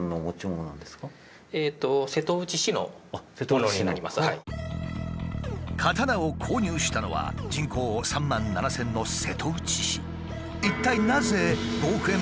こちらは刀を購入したのは人口３万７，０００の瀬戸内市。